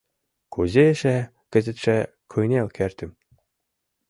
Кузе эше кызытше кынел кертым?